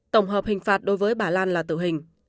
tổng hợp hình phạt đối với bà lan là tử hình